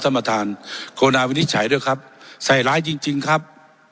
ท่านประธานกรุณาวินิจฉัยด้วยครับใส่ร้ายจริงจริงครับ